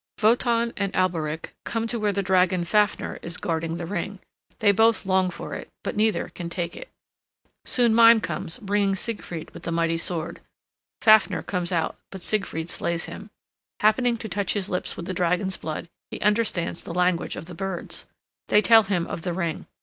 Wotan and Alberich come to where the dragon Fafner is guarding the ring. They both long for it, but neither can take it. Soon Mime comes bringing Siegfried with the mighty sword. Fafner comes out, but Siegfried slays him. Happening to touch his lips with the dragon's blood, he understands the language of the birds. They tell him of the ring.